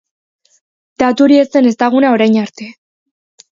Datu hori ez zen ezaguna orain arte.